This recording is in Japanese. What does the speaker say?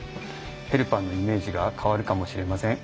ヘルパーのイメージが変わるかもしれません。